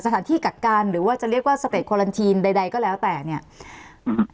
สถานที่กักการหรือว่าจะเรียกว่าใดใดก็แล้วแต่เนี้ยอืม